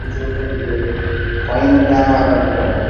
Koini dawa.